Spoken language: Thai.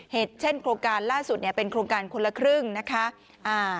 เหตุเช่นโครงการล่าสุดเป็นโครงการคนละครึ่งนะคะ